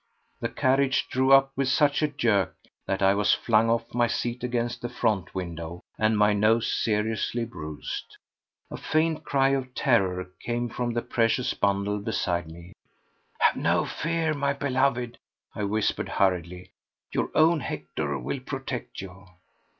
The carriage drew up with such a jerk that I was flung off my seat against the front window and my nose seriously bruised. A faint cry of terror came from the precious bundle beside me. "Have no fear, my beloved," I whispered hurriedly. "Your own Hector will protect you!"